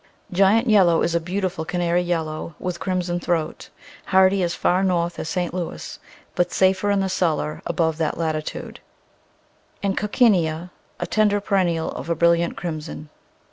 Giant Yellow is a beautiful canary yellow with crimson throat, hardy as far north as St. Louis, but safer in the cellar above that latitude, and Coc cinea, a tender perennial of a brilliant crimson.